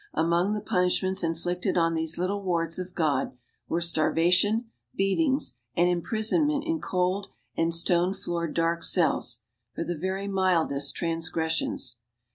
Among the punishments inflicted on these little wards of God were starvation, beatings, and imprisonment in cold and stone floored dark cells for the very mildest transgressions.